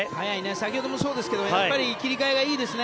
先ほどもそうですけどやっぱり切り替えがいいですね。